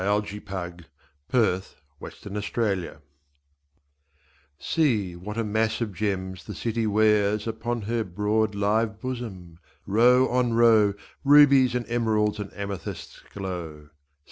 64 IMPRESSION DE NUIT London SEE what a mass of gems the city wears Upon her broad live bosom ! row on row Rubies and emeralds and amethysts glow.